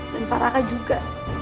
dan para akak juga